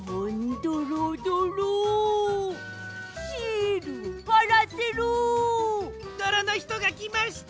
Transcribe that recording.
どろのひとがきました！